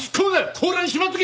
甲羅にしまっとけ！